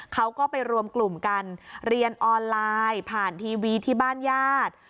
เขาก็ไปรวมกลุ่มกันเรียนออนไลน์ผ่านทีวีที่บ้านญาติ